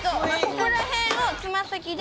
ここら辺をつま先で